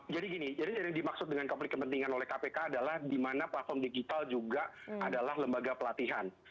jadi gini jadi yang dimaksud dengan konflik kepentingan oleh kpk adalah di mana platform digital juga adalah lembaga pelatihan